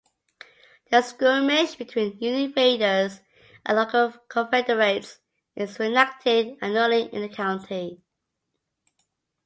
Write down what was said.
The skirmish between Union raiders and local Confederates is reenacted annually in the county.